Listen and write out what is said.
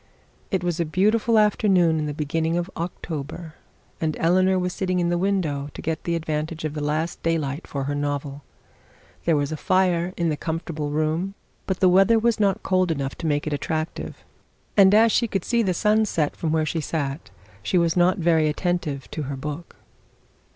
It was a beautiful afternoon in the beginning of October, and Eleanor was sitting in the window to get the advantage of the last daylight for her novel. There was a fire in the comfortable room, but the weather was not cold enough to make it attractive; and as she could see the sun set from where she sat, she was not very attentive to her book.